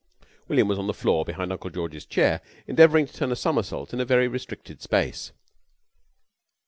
William was on the floor behind Uncle George's chair endeavouring to turn a somersault in a very restricted space.